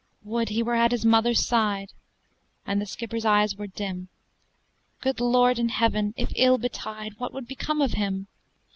"Would he were at his mother's side!" And the skipper's eyes were dim. "Good Lord in heaven, if ill betide, What would become of him!